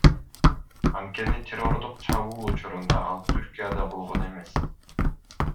Анткени террордук чабуул учурунда ал Түркияда болгон эмес.